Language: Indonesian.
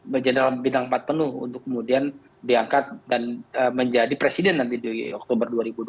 general bintang empat penuh untuk kemudian diangkat dan menjadi presiden nanti di oktober dua ribu dua puluh